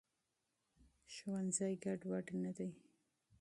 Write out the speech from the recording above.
ښوونځي ګډوډ نه دی.